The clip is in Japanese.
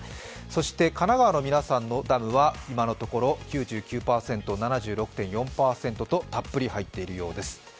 そして神奈川の皆さんのダムは今のところ９９％、７６．４％と、たっぷり入っているようです。